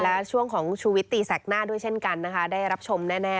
และช่วงของชูวิตตีแสกหน้าด้วยเช่นกันนะคะได้รับชมแน่